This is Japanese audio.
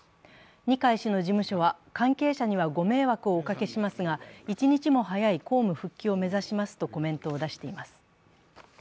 二階氏の事務所は、関係者にはご迷惑をおかけしますが一日も早い公務復帰を目指しますとコメントを出しています。